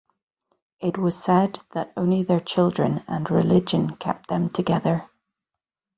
It was said that only their children and religion kept them together.